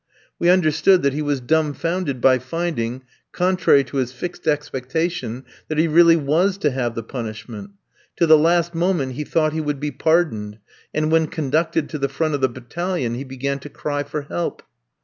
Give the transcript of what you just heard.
We understood that he was dumbfounded by finding, contrary to his fixed expectation, that he really was to have the punishment. To the last moment he thought he would be pardoned, and when conducted to the front of the battalion, he began to cry for help.